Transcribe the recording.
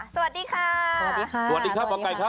สวัสดีค่ะสวัสดีค่ะสวัสดีครับหมอไก่ครับ